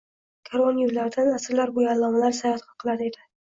Karvon yoʻllaridan asrlar boʻyi allomalar sayohat qilar edi.